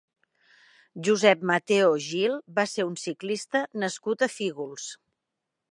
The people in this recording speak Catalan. Josep Mateo Gil va ser un ciclista nascut a Fígols.